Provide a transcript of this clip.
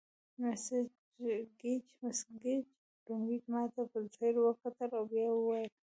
مس ګیج لومړی ماته په ځیر وکتل او بیا یې وویل.